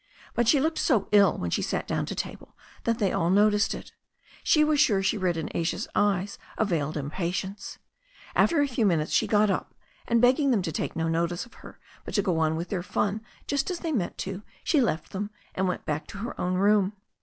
But THE STORY OF A NEW ZEALAND RIVER 307 she looked so ill when she sat down to table that they all noticed it. She was sure ^he read in Asia's eyes a veiled impatience. After a few minutes she got up, and begging them to take no notice of her, but to go on with their fun just as they meant to, she left them, and went back to> her own room.